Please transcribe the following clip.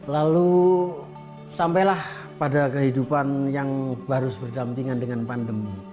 lalu sampailah pada kehidupan yang baru bergampingan dengan pandemi